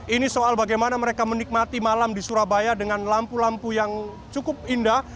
ini soal bagaimana mereka menikmati malam di surabaya dengan lampu lampu yang cukup indah